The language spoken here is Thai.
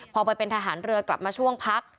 พอไปเป็นทหารเรือกลับมาช่วงพัก